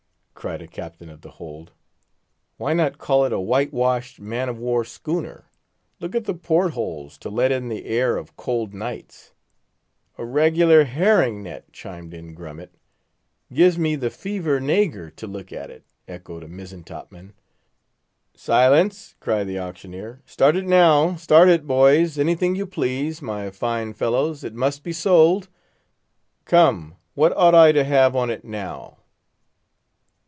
cried a captain of the hold. "Why not call it a white washed man of war schooner? Look at the port holes, to let in the air of cold nights." "A reg'lar herring net," chimed in Grummet. "Gives me the fever nagur to look at it," echoed a mizzen top man. "Silence!" cried the auctioneer. "Start it now—start it, boys; anything you please, my fine fellows! it must be sold. Come, what ought I to have on it, now?"